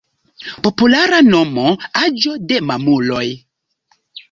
Populara nomo: Aĝo de Mamuloj.